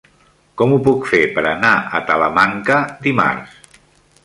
Com ho puc fer per anar a Talamanca dimarts?